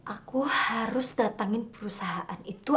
aku harus datangin perusahaan itu